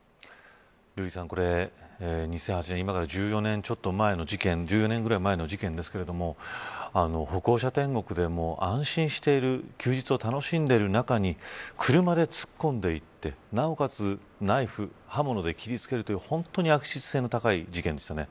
瑠麗さん、これ２００８年今から１０年ちょっと前の事件ですけれども歩行者天国でも安心している休日を楽しんでいる中に車で突っ込んでいってなおかつナイフ、刃物で切りつけるという本当に悪質性の高い事件でしたね。